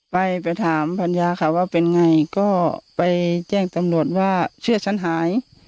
ไปไปถามภรรยาค่ะว่าเป็นไงก็ไปแจ้งตำรวจว่าเชื่อฉันหาย